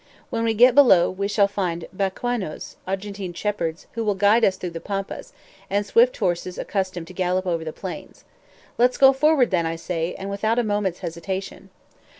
When we get below, we shall find BAQUEANOS, Argentine shepherds, who will guide us through the Pampas, and swift horses accustomed to gallop over the plains. Let's go forward then, I say, and without a moment's hesitation."